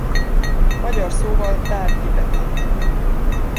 Magyar szóval tárgyi betét.